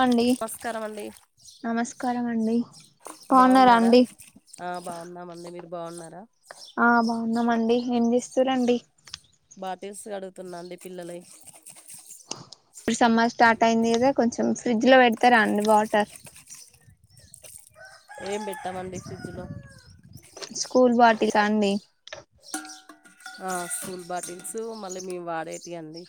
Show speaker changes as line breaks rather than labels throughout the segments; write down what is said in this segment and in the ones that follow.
అండి
నమస్కారం అండి
నమస్కారం అండి
బాగున్నారా ఆ బాగున్నామండి మీరు బాన్నారా
ఆ బాగున్నామండి ఏం చేస్తురండి
బాటస్ కడుగుతున్నాండి పిల్లలు
ఇప్పుడు సమ్మర్ స్టార్ట్ అయింది కదా కొంచెం ఫ్రిడ్జ్ లో పెడతారా అండి వాటర్
ఏం పెట్టామండి ఫ్రిడ్జ్లో
స్కూల్ పార్టీ కా అండీ
ఆ స్కూల్ బాటిల్స్ మళ్ళీ మేము వాడేటి అండి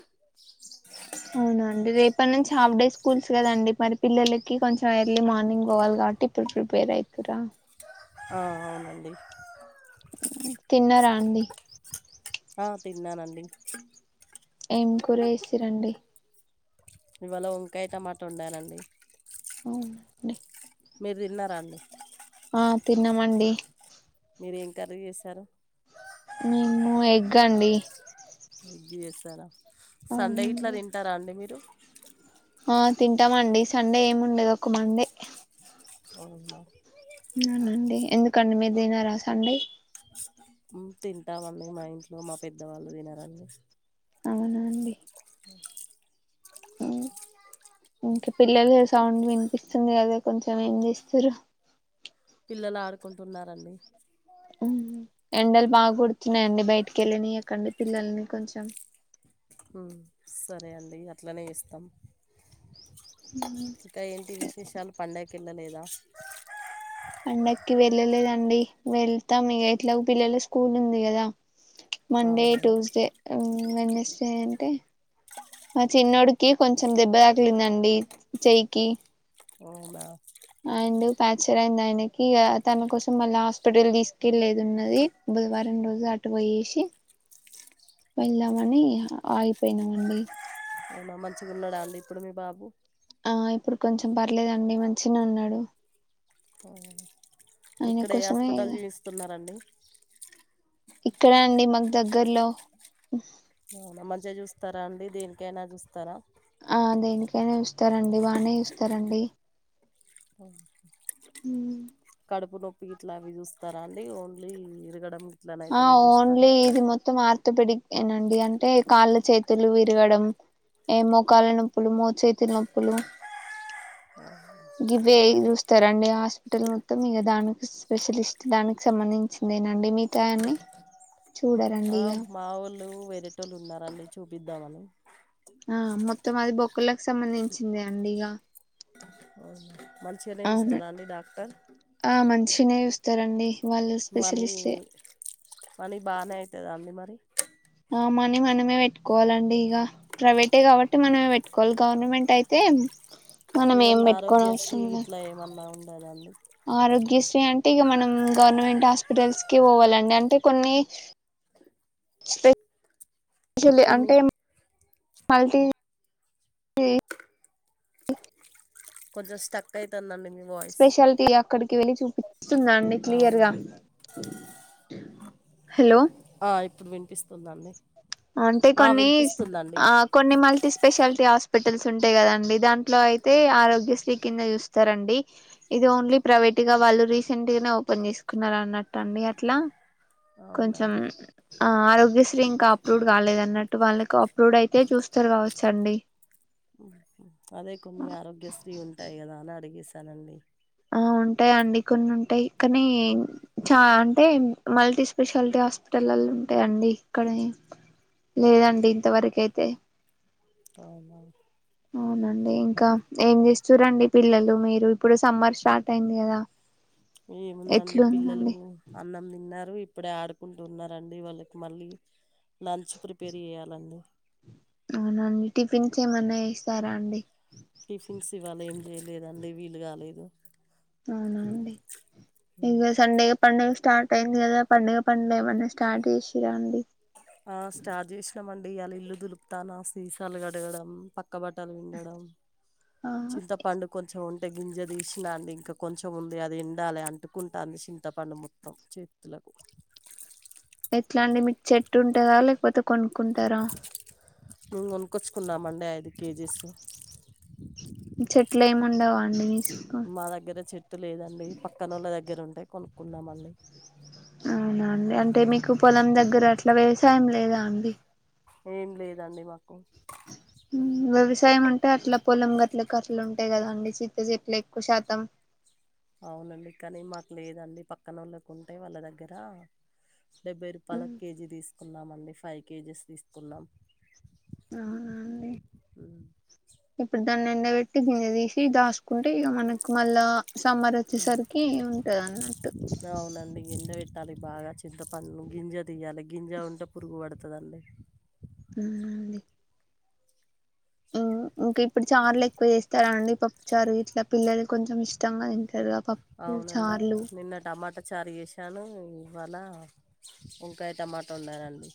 అవునండి రేపటి నుంచి హాఫ్ డే స్కూల్స్ కదండి మరి పిల్లలకి కొంచెం ఎర్లీ మార్నింగ్ పోవాలి కాబట్టి ఇప్పుడు ప్రిపేర్ అయితురా
ఆ అవునండి
తిన్నారా అండి
ఆ తిన్నానండి
ఏం కూర ఎస్సీరండి
ఇవాళ వంకాయ్ టమాట ఉండానండి
అవునండి
మీరు తిన్నారా అండి
ఆ తిన్నామండి
మీర్ ఏం కర్రీ చేశారు
మేము ఎగ్గండి
ఎగ్ చేస్తారా సండే ఇట్లా తింటారా అండి మీరు
ఆ తింటామండి సండే ఏం ఉండేదు ఒక మండే
అవు
అవునండి ఎందుకండి మీర్ తినారా సండే
తింటామన్నడి మా ఇంట్లో మా పెద్దవాళ్ళు దినరడి
అవునా అండి ఇంక పిల్లలేస్ సౌండ్ వినిపిస్తుంది కదా కొంచం ఏం చేస్తరు?
పిల్లలు ఆడుకుంటున్నారండి
ఎండలు బాగా కుడుతున్నాయండి బయటికి వెళ్ళినీయకండి పిల్లల్ని కొంచెం
సరే అండి అట్లనే ఇస్తం ఇంకా ఏంటి విశేషాలు పండగకి వెళ్ళలేదా?
పండక్కి వెళ్ళలేదండి వెళ్తాం ఇగ ఎట్లాగో పిల్లల స్కూల్ ఉంది కదా మండే
అవునవును
ట్యూస్డే మా చిన్నోడికి కొంచెం దెబ్బ తగిలిందండి చెయ్యికి
అవునా
అండ్ ఫ్యాక్చర్ అయింది ఆయనకి తన కోసం మళ్ళా హాస్పిటల్ తీసుకెళ్లేదున్నది బుధవారం రోజు అటు పోయేసి వెళ్దామని ఆగిపోయినామండి.
ఔనా మంచిగున్నడా అండి ఇప్పుడు మీ బాబు
ఆ ఇప్పుడు కొంచెం పర్లేదండి మంచిగనే ఉన్నాడు
ఉమ్
ఆయన
ఇక్కడ ఏ
కోసమే
హాస్పిటల్ చీవిస్తున్నారండి
ఇక్కడే అండి మాకు దగ్గర్లో
అవునా మంచిగ చూస్తారా అండి దేనికైనా చూస్తారా
ఆ దేనికైనే చూస్తారండి బానే చూస్తారండి ఉమ్
కడుపు నొప్పి ఇట్లా అవి చూస్తారా అండి ఓన్లీ విరగడం
ఆ ఓన్లీ ఇది మొత్తం ఆర్థోపెడిక్ ఏనండి అంటే కాళ్ళు చేతులు విరగడం ఏ మోకాళ్ళ నొప్పులు మోచేతి నొప్పులు గివే చూస్తారండి హాస్పిటల్ మొత్తం ఇక దానికి స్పెషలిస్ట్ దానికి సంబంధించిందేనండి మీ తాన్ని చూడర్
మా వొళ్ళు వేరేటోళ్ళు ఉన్నారండి చూపిద్దమని
ఆ మొత్తం అది బొక్కులకు సంబంధించిందే అండి ఇగ
అవున మంచిగానే చూస్తదా అండి డాక్టర్
తరండి
మనీ మనీ బానే అయితాదా అండి మరి
ఆ మనీ మనమే పెట్టుకోవాలండి ఇక ప్రైవేటే కాబట్టి మనమే పెట్టుకోవాలి గవర్నమెంట్ అయితే మనం ఏం
ఏమన్నా
పెట్టుకోని
ఆరోగ్య శ్రీ
అవసరం లే
ఇట్లా ఏమన్నా ఉండదా అండి
ఆరోగ్యశ్రీ అంటే ఇక మనం గవర్నమెంట్ హాస్పిటల్స్కే పోవాలండి అంటే కొన్ని స్పే షలి
కొన్ని
అంటే మల్టీ
కొంచెం స్టక్ అయితాందండి మీ వాయిస్
స్పెషాలిటీ అక్కడికి వెళ్ళి చూపి వస్తుందా అండి
అవునా
క్లియర్గా హలో
పిస్తుందండి
అంటే కొన్ని ఆ కొన్ని మల్టీ స్పెషాలిటీ హాస్ హాస్పిటల్స్ ఉంటాయి కదండి దాంట్లో అయితే ఆరోగ్యశ్రీ కింద చూస్తారండి ఇది ఓన్లీ ప్రైవేట్ గా వాళ్ళు రీసెంట్ గానే ఓపెన్ చేసుకున్నారు అన్నట్టు అండి అట్లా
అవునా
కొంచెం ఆరోగ్యశ్రీ ఇంకా అప్లూడ్ కాలేదు అన్నట్టు వాళ్ళకు అప్లూడ్ అయితే చూస్తారు కావచ్చండి
అదే కొన్ని ఆరోగ్య శ్రీ ఉంటాయి కదా అని అడిగేసా తనండి
ఆ ఉంటాయిండి కొన్ని ఉంటాయి కానీ చా అంటే మల్టీ స్పెషాలిటీ హాస్పిటలల్లో ఉంటాయండి ఇక్కడ లేదండి ఇంతవరకైతే
అవునా
అవునండి ఇంకా ఏం చేస్తూర్రండి పిల్లలు మీరు ఇప్పుడు సమ్మర్ స్టార్ట్ అయింది కదా
ఏముందండి పిల్లలు
ఎట్లుందండి
అన్నం తిన్నారు ఇ ఇప్పుడే ఆడుకుంటు ఉన్నారండి వాళ్ళకి మళ్ళీ లంచ్ ప్రిపేర్ చేయ్యాలండి
అవునండి టిఫిన్స్ ఏమన్నా చేస్తారా అండి
టిఫిన్స్ ఇవ్వాలేం చేయలేదండీ వీలు కాలేదు
అవునా అండి ఇంగ సండే పండగ స్టార్ట్ అయింది కదా పండుగ పనులు ఏమన్నా స్టార్ట్ చేసింరా అండి
ఆ స్టార్ చేసినమండి ఇయల ఇల్లు దులుపుతానా సీసాలు కడగడం పక్ పక్క బట్టలు విండడం
ఆ
చింతపండు కొంచెం ఉం పంట గింజ తీసినాండి ఇంక కొంచెం ఉంది అది ఎండాలి అంటుకుంటంది చింతపండు మొత్తం చేతులకు
ఎట్లా అంటడి మీకు చెట్టు ఉంటదా లేకపోతే కొనుక్కుంటారా
మేము కొనుక్కొచ్చుకున్నామండి ఐదు కేజీస్
చెట్లు ఏమి ఉండవా అండి మీకు
మా దగ్గర చెట్టు లేదండి పక్కనోళ్ళ దగ్గర ఉండే కొనుక్కున్నామండి
అవునాండి అంటే మీకు పొలం దగ్గర అట్లా వ్యవసాయం లేదా అండి
ఏం లేదండి మాకు
వ్యవసాయం ఉంటే అట్లా పొలంగట్ గట్ల ఉంటాయి కదా అండి చింత చెట్లు ఎక్కువ శాతం
అవునండి కానీ మాకు లేదండి పక్కనోళ్ళకు ఉంటే వాళ్ళ దగ్గర డెబ్బై రూపాయలకు కేజీ తీసు కున్నామండి ఫైవ్ కేజెస్ తీసుకున్నాం
అవునా అండి
ఉమ్.
ఇప్పుడు దాన్ని ఎండ పెట్టి గింజ తీసి దాసుకుంటే ఇగ మనకు మళ్ళా సమ్మార్ వచ్చేసరికి ఉంటది అన్నట్టు
ట్టాలి బాగా చింతపండ్లు గింజ తీయాలి గింజ ఉంటే పురుగు పడ్ డుతది అండి
హు అండి ఇంకా ఇప్పుడు చార్లు ఎక్కువ చేస్ స్తారా అండి పప్పు చారు గిట్లా పిల్లలు కొంచెం ఇష్టంగా తింటారుగ
అవునండి నిన్న టమాటా చా చారు చేసాను ఇవాళ వంకాయి టమాటా వండనండీ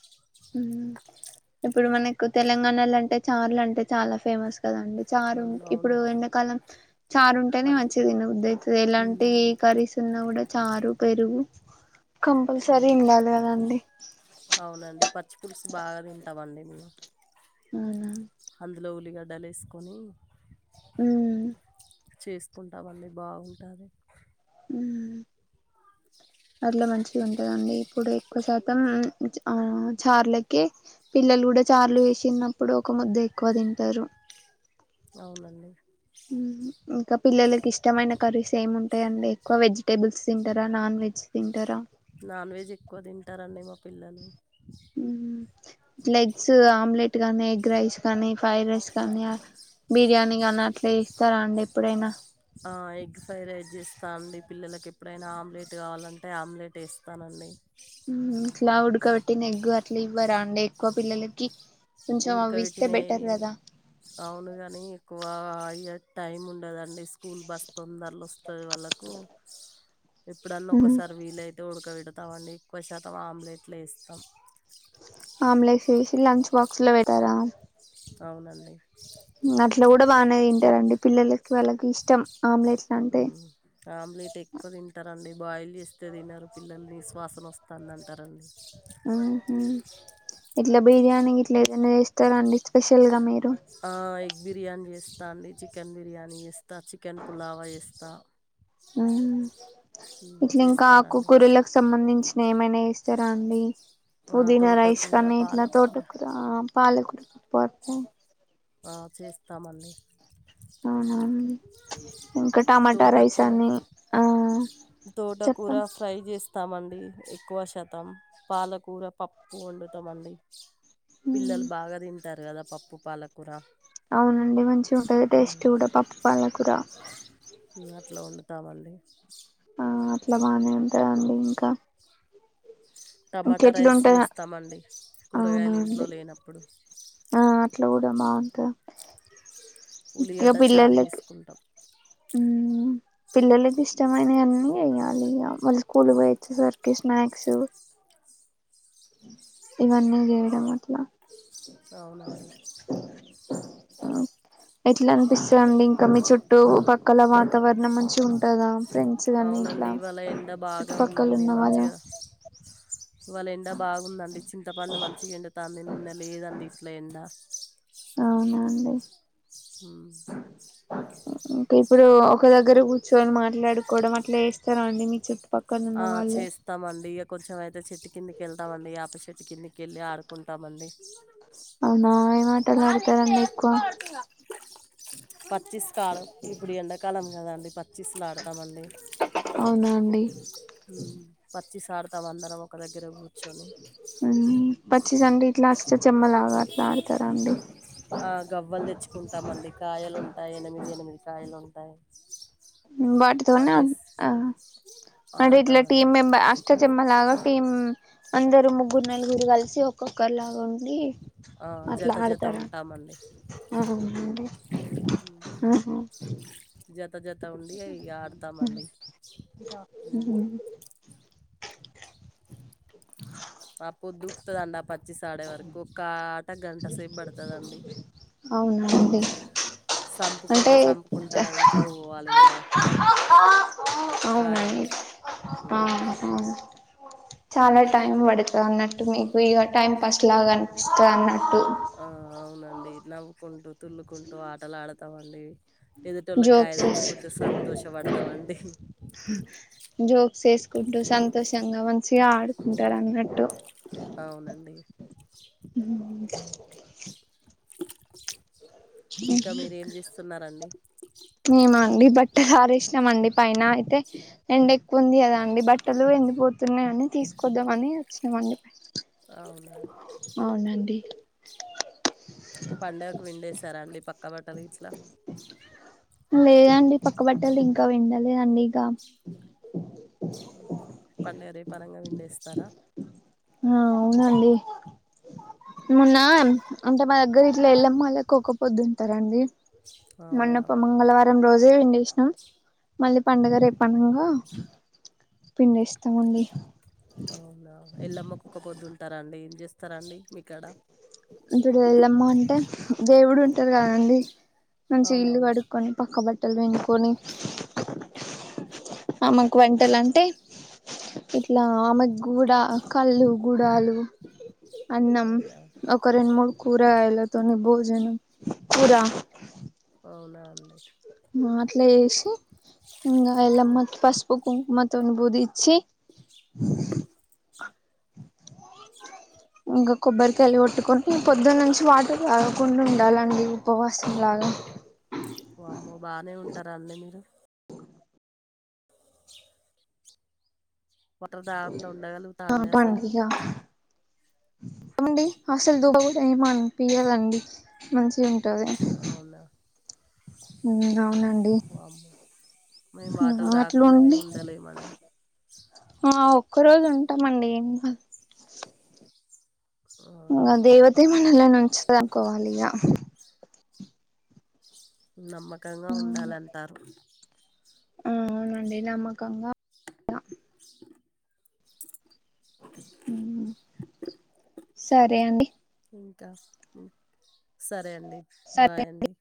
ఇప్పుడు మనకు తెలంగాణలో అంటే చారులు అంటే చాలా ఫేమస్ కదండి చారు ఇప్పుడు
అవునవును.
ఎండకాలం చారు ఉంటేనే
పచ్
మంచిదినబుద్ది అవుతది ఎలాంటి
హ్మ్.
కరీస్ ఉన్నా కూడా చారు పెరుగు కంపల్సరీ
అవును.
ఉండాలి కదాండి ప్చ్.
ఫ్రూట్స్ బాగా తింటామండి మేము.
అవునా
అంత్ ఉల్లిగడ్డలేసుకొని.
ఉమ్
చేసుకుంటామండి బాగుంటది.
ఉమ్ పిల్లలు మంచిగా తింటారండి ఇప్పుడు ఎక్కువ శాతం ఆ చార్లకే పిల్లలు కూడా చార్లు చేసిన్నప్పుడు ఒక ముద్ద ఎక్కువ తింటారు.
అవునండి
ఉమ్ ఇంకా ప్ పిల్లలకి ఇష్టమైన కరీస్ ఏం ఉంటా ఎం ఎక్కువ వెజ్. టేబుల్స్ తింటారా నాన్ వెజ్ తింటారా.
నాన్ వెజ్ ఎక్కువ తింటారండి మా పిల్లలు.
ఉమ్ ఇట్లా ఎగ్స్ ఆమ్లెట్ గాని ఎగ్ రైస్ కానీ ఫ్రైడ్ రైస్ కానీ ఆహ్ బిర్యానీ గాని అట్లా చేస్తారా అండి ఎప్పుడైనా.
ఆహ్ ఎగ్ ఫ్రైడ్ రైస్ చేస్తానండి పిల్లలలకు ఎప్పుడైనా ఆమ్లెట్ కావాలంటే ఆమ్లెట్ వేస్తానండి.
ఉమ్ ఇట్లా ఉడకబెట్టిన ఎగ్గు అట్లా ఇవ్వరా అండి ఎక్కువ పిల్లలకి. కొంచెం అవి ఇస్తే బెటర్
ఉడకబెట్టినవి
కదా
అవును గాని ఎక్కువ ఆయిల్. టైమ్ ఉండదండి స్కూల్ బస్ తొందరలో వస్తు వస్తది వాళ్ళకు. ఇప్పుడన్నా ఒకసారి వీలు అయితే ఉడకబెట్ చేతామండి ఎక్కువ శాతం ఆమ్లెట్లే వేస్తాం.
ఆమ్లెట్లు వేసి లంచ్ బాక్స్ లో పెట్టారా.
అవునండి.
అట్లా కూడా బాగానే తింటారండి. పిల్లలకి వాళ్కి ఇష్టం. ఆమ్లెట్స్లు అంటే
ఉమ్. ఆమ్లెట్ ఎక్కువ తింటారండి బాయిల్ చేస్తే తినరు పిల్లలు నిస్ వాసన వస్తుంది అంటారండి.
ఆహ్ ఇట్లా బిర్యానీ ఇట్లా ఏదైనా చేస్తారండి స్పెషల్గా మీరు.
ఆహ్ ఎక్ బిర్యానీ చేస్తా అండి చికెన్ బిర్యానీ చేస్తా చికెన్ పులావ్ చేస్తా
ఉమ్
ఉమ్,
ఇట్లా ఇంకా
చేస్తానండి
ఆకుకూరలకు సంబంధించిన ఏమైనా చేస్తారా అండి.
ఆ,
పుదీనా రైస్
తోటకూర
కనీ ఇట్ల
పాలకూర
తోటకురా పాలకురా. పడుతాయి.
ఆ చేస్తామండి
అవునవున ఇంకా టమాటా రైస్ అని ఆ
తోట కూర
చెప్పండి
ఫ్రైజే స్తామండి ఎక్కువ శతం పాలకూర పప్ ఒండుతమండి
ఉమ్
పిల్లలు బాగా తింటారు గదా పప్పు పాలకూర
అవునండి మంచిగుంటది టేస్ట్
ఉమ్.
గుడా పప్పు పాలకూర
అట్లొండుతామండి
ఆ అట్ల బానే ఉ టదండి ఇంక
టమాటా రైస్ చేస్తామండి
అవునా
కూరగాయలు
అండి
ఇంట్లో లేనప్పుడు
మాక
ఉల్లిగడ్డ చారు చేస్కుంటం
మ్మ్ పిల్లలకి ఇష్టమైనయన్నీ ఎయాలే వాళ్ళు స్కూల్ పోయి ఒచ్చేసరికి స్నాక్స్ ఇవన్నీ జెయడం అట్ల
ఔనండి
ఎట్లనిపిస్తండి ఇంక మీ చుట్టూ పక్కల వాతావర్ణం మంచిగుంటందా
అవునండి ఇవాళ ఎండ బాగా
చుట్టుపక్కల
ఉందండి
ఉన్న వాళ్ళు
మంచిగ ఇవాళ ఎండా బాగుందండి చింతపండు మంచిగ ఎండుతాంది న్న లేదండి ఇట్లో ఎండ
ఔనండి
ఉమ్
ఇంకిప్పుడు ఒక దగ్గర కూర్చోని మాట్లాడుకోడం అట్లేస్తరాండి మీ చుట్
ఆ చేస్తామండి ఇగ కొంచెం ఐతే చెట్టు కిందికి వెళ్తామండి యాప చెట్టు కిందిక్ కెళ్ళి ఆడుకుంటామండి
ఔనా అటలాడతారండి ఎక్కువ
పచ్చిస్‌కి చిస్లాడతామండి
ఔనాండి
హ్మ్. పచ్చిస్ ఆడ్తాం అందరం ఒక దగ్గర కూర్చొని.
ఉమ్ పచ్చిసంటే ఇట్లా అష్ట చెమ్మలాగా అడ్తరాండి
ఆ గవ్వలు తెచ్చుకుంటామండి కాయలుంటాయి ఎనిమిది ఎనిమిది కాయలు ఉం య్
[unintelligible] అంటే ఇట్లా
ఆడతామండి.
టీమ్ మెంబర్, అష్ట చెమ్మలాగా టీమ్. హుమ్మ్ అందర్. ఓ ముగ్గురు, నలుగురు కలిసి ఒకో. కుక్కర్లాగా ఉండి.
ఆ!
అట్లా
జత జత
ఆడతారా.
ఉంటామండి.
ఆహా
జత జత ఉండి ఇగ ఆడతామండి.
ఉహు.
బాపు దుఃఖ్త అండపత్. పచ్చిసాడేవరకు కాట్.
అవునా. హుమ్మ్.
సంపుకుంట, సంపుకుంట, ఇంట్లకీ పోవాలే కదా కాయను
అవునండి
ఉమ్.
ఆహా చాలా టైమ్ వడత. అన్నట్టు మీకు, ఇగా టైం పాస్ లాగా అనిపిస్తది అన్నట్.
ఆ అవునన్. డి నవ్వుకుంటూ. తుల్లుకుంటూ ఆటలాడత్. తావండి.
జోక్స్స్,
సంతోషపడతామండి
జోక్స్ చేేసుకుంటు సంతోషంగా వన్. మంచిగా ఆడుకుంటార్ అన్నట్టు.
అవునండి. ఇంకా మీరు ఏం చేస్తున్నారండి.
నామండి పైన, అయితే ఎండ ఎక్కువ ఉంది కదా అండి, బట్టలు ఎండి పోతున్నాయని తీసుకోద్దామని వచ్చినామండి.
అవునా.
అవునండి
పండుగకు పిండేసార అండి పక్. కబట్టాల ఇట్లా.
లేదండి, పక్కబట్టలు ఇంకా పిండలేదండి ఇగ.
పండగ రేపనంగానే పిండేస్తారా.
ఆ అవునండి, మొన్న అంటే మా దగ్గర ఇట్లా ఎల్లమ్మొల్లకు ఒకపొద్దుఉంటారండి.
అవునా
మొన్నప్ప మంగళవారం రోజు. అదే వెండేష్ణ మళ్ళీ పండుగ రేప్ పండగా పిండి ఇస్తామండి
అవునా ఎల్లమ్మ కుక్క పొద్దుంటారా అండి ఏం చేస్త ఇస్తారండి
ఇడు వెల్లమ్మ అంటే దేవుడు ఇారు కాదండి మంచి ఇల్లు
అవునవును
కట్టుకుని పక్కబట్ తెల్వేన్ పోని ఆమకు వంటలు అంటే ఇట్లా ఆమెకు కూడాూడ కళ్ళు గుడాలు అన్నం
అవునా
ఒక రెండు మూడు కూరా అయలా త ని భోజనం కూరా
అవునాండి
మాట్లా చేసి ఇంకా ఎలమ్మ కి పసుపు కుంకుమతో అనుభూతి ఇ చీ ఇకా కొబ్బరికయలి ఉట్టుకొ పొద్దున్న నుంచి వాటర్ రాాగకుండా ఉండాలండి ఉపవాసంలాగా
ఓ అమ్మో బాగానే ఉంటారు అన్నీ మీరు వాటర్ డ్యామ్ లో ఉండగలుగుతాండ అసలు
ఏమండి అసలు దు ఏముండ్ పియలండి మంచిగా ఉంటది
అవునా
అవునండి
వామ్మో మేము వాటర్
అట్లా
తాగకుండానే
ఉండి
ఉండలేమండి
ఆ ఒక్క రోజు ఉంటామండి ఏ
అవునా
నల్ నంచిదాకోవాల్యా
నమ్మకంగా ఉండాలంటారు
ఆ అవునంది అమ్మకంగా ఇక సరే అండి
ఇంకా సరే అదేండి
సరే
బాయ్ అండి